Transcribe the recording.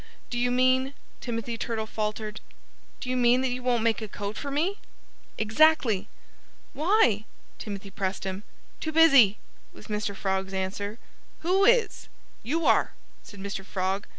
"Do you mean" Timothy Turtle faltered "do you mean that you won't make a coat for me?" "Exactly!" "Why?" Timothy pressed him. "Too busy!" was Mr. Frog's answer. "Who is?" "You are!" said Mr. Frog.